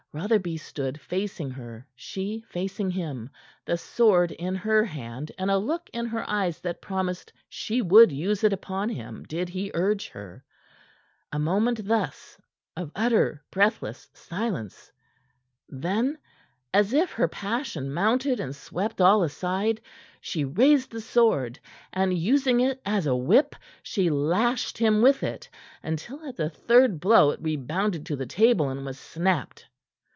Rotherby stood facing her, she facing him, the sword in her hand and a look in her eyes that promised she would use it upon him did he urge her. A moment thus of utter, breathless silence. Then, as if her passion mounted and swept all aside, she raised the sword, and using it as a whip, she lashed him with it until at the third blow it rebounded to the table and was snapped.